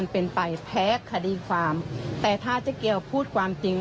เป็นไปแพ้คดีความแต่ถ้าเจ๊เกียวพูดความจริง